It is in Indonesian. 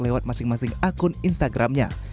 lewat masing masing akun instagramnya